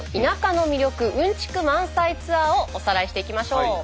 うんちく満載ツアーをおさらいしていきましょう。